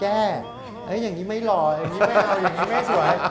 เห้ยซึ่งงี้ไม่หลอไม่ชย